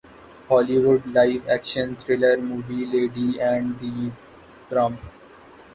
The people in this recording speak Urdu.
ہالی would live action thriller movie lady and the Trump